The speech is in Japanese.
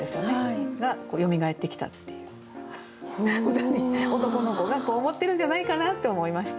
歌に男の子がこう思ってるんじゃないかなって思いました。